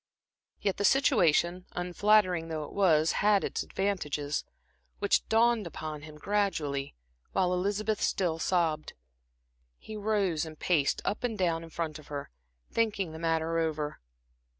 Yet the situation, unflattering though it was, had its advantages, which dawned upon him gradually, while Elizabeth still sobbed. He rose and paced up and down in front of her, thinking the matter over.